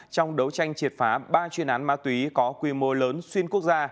trong đấu tranh triệt phá ba chuyên án ma túy có quy mô lớn xuyên quốc gia